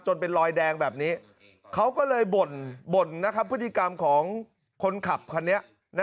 จนเป็นรอยแดงแบบนี้เขาก็เลยบ่นนะครับพฤติกรรมของคนขับค่อนเนี้ยนะครับ